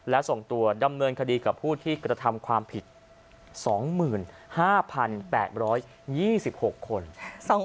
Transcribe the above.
และส่งตัวดำเนินคดีกับผู้ที่กระทำความผิด๒๕๘๒๖คน